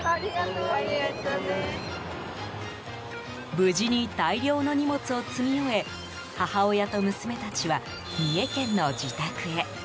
無事に大量の荷物を積み終え母親と娘たちは三重県の自宅へ。